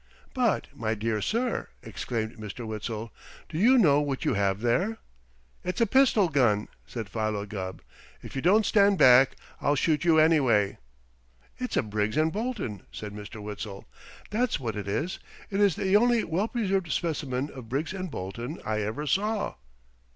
"But, my dear sir!" exclaimed Mr. Witzel. "Do you know what you have there?" "It's a pistol gun," said Philo Gubb. "If you don't stand back, I'll shoot you anyway." "It's a Briggs & Bolton," said Mr. Witzel. "That's what it is. It is the only well preserved specimen of Briggs & Bolton I ever saw."